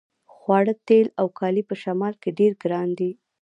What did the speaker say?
خواړه تیل او کالي په شمال کې ډیر ګران دي